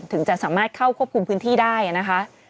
ถึงจะสามารถเข้าควบคุมพื้นที่ได้นะคะ